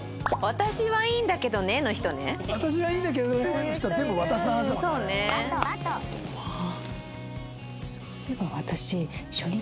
「私はいいんだけどねえ」の人は。